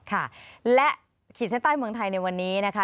ค่ะและขีดเส้นใต้เมืองไทยในวันนี้นะคะ